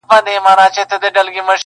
مړه راگوري مړه اكثر.